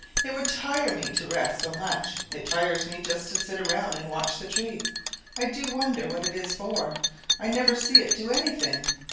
It would tire me to rest so much. It tires me just to sit around and watch the tree. I do wonder what it is for; I never see it do anything.